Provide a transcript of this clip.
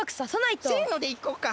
せのでいこうか。